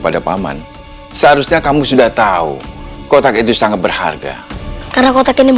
bahkan aku bisa membaca gerakan orang itu